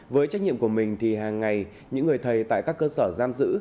với trách nhiệm của mình thì hàng ngày những người thầy tại các cơ sở giam giữ